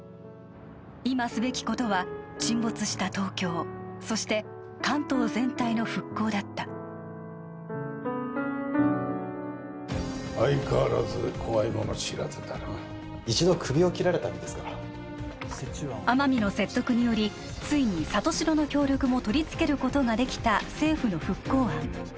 今すべきことは沈没した東京そして関東全体の復興だった相変わらず怖いもの知らずだな一度クビを切られた身ですから天海の説得によりついに里城の協力も取り付けることができた政府の復興案